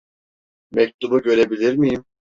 Mektubu görebilir miyim?